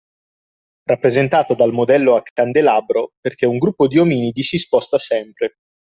Rappresentata dal modello a candelabro perché un gruppo di ominidi si sposta sempre